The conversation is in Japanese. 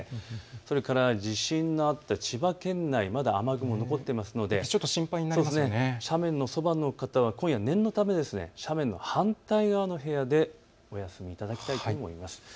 それから地震のあった千葉県内、まだ雨雲が残っていますので斜面のそばの方は今夜、念のため斜面の反対側の部屋でお休みいただきたいと思います。